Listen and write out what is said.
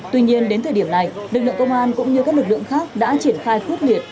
tuy nhiên đến thời điểm này lực lượng công an cũng như các lực lượng khác đã triển khai quyết liệt